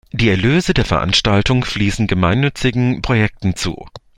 Die Erlöse der Veranstaltung fließen gemeinnützigen Projekten zu.